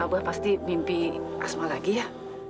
gue pasti mimpi asma lagi ya